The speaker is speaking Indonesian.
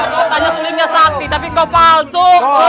katanya sulitnya sakti tapi kau palsu